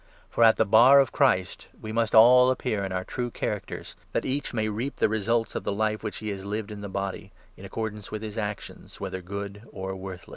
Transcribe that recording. For at the Bar of the Christ we must 10 all appear in our true characters, that each may reap the results of the life which he has lived in the body, in accordance with his actions — whether good or worthless.